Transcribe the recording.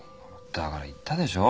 だから言ったでしょ。